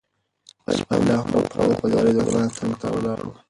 سپی لا هم په پوره وفادارۍ د غلام څنګ ته ولاړ و.